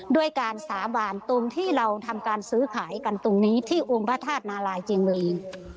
ด้วยการสาบานตรงที่เราทำการซื้อขายกันตรงนี้ที่องค์พระธาตุนารายเจียงเมืองเอง